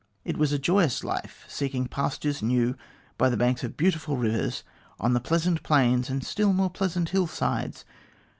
It was a joyous life, seeking pastures new by the banks of beautiful rivers, on the pleasant plains, and the still more pleasant hill sides.